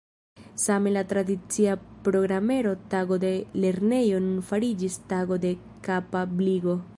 Same la tradicia programero Tago de lernejo nun fariĝis Tago de kapabligo.